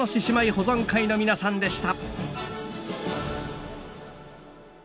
保存会の皆さんでした。